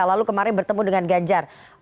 lalu kemarin bertemu dengan ganjar